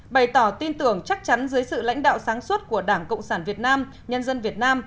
bày tỏ tin tưởng chắc chắn dưới sự lãnh đạo sáng suốt của đảng cộng sản việt nam